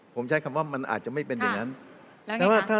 ผมใช้คำว่ามันอาจจะไม่เป็นอย่างนั้น